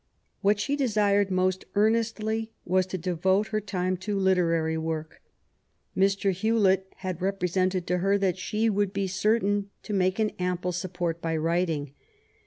What she desired most earnestly was to devote all her time to literary work. Mr. Hewlet had repre sented to her that she would be certain to make an ample support by writing.